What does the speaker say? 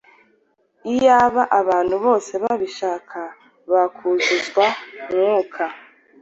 Iyaba abantu bose babishakaga, bakuzuzwa Mwuka.